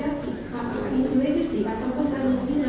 apakah itu evisi atau pesan yang mirna